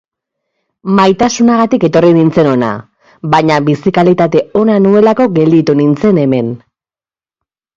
Maitasunagatik etorri nintzen hona, baina bizi kalitate ona nuelako gelditu nintzen hemen.